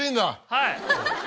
はい。